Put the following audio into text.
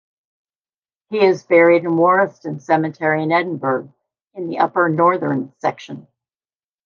He is buried in Warriston Cemetery in Edinburgh in the upper northern section.